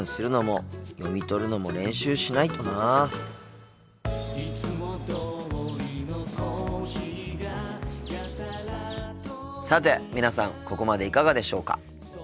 さて皆さんここまでいかがでしょうか。